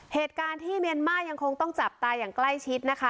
เหตุการณ์ที่เมียนมายังคงต้องจับตาอย่างใกล้ชิดนะคะ